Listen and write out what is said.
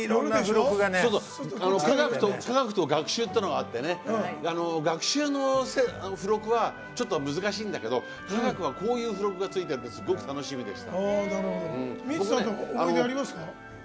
「科学」と「学習」というのがあって「学習」の付録はちょっと難しいんだけど「科学」はこういう付録がついててすごく楽しみでした。